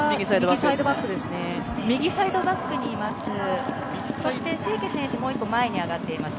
宮川選手が右サイドバックにいます。